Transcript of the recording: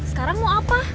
sekarang mau apa